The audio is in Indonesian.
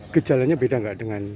gejalanya beda gak dengan